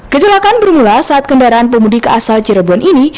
kecelakaan bermula saat kendaraan pemudi keasal cerbon ini